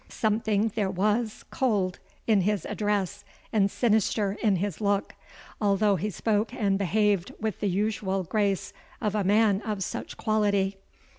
Something there was cold in his address, and sinister in his look, although he spoke and behaved with the usual grace of a man of such quality.